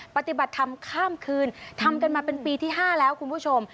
ปฏิบัติธรรมข้ามคืนทำกันมาเป็นปีที่๕แล้วคุณผู้ชม